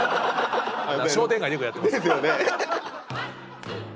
商店街でよくやってます。ですよね。